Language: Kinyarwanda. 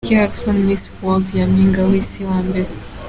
Kiki Håkansson Miss World Nyampinga w'isi wa mbere.